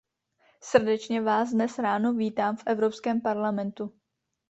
Srdečně vás dnes ráno vítám v Evropském parlamentu!